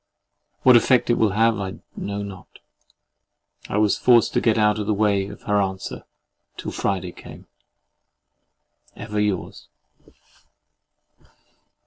What effect it will have, I know not. I was forced to get out of the way of her answer, till Friday came. Ever yours.